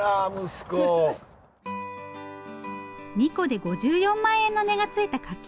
２個で５４万円の値がついた柿。